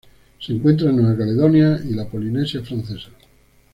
Se encuentran en Nueva Caledonia y la Polinesia Francesa.